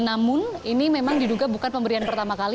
namun ini memang diduga bukan pemberian pertama kali